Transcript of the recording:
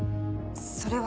それは。